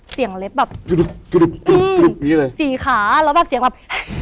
เสียงเล็บแบบสี่ขาแล้วแบบเสียงแบบ